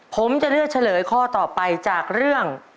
ผมจะเลือกเฉลยข้อต่อไปจากเรื่อง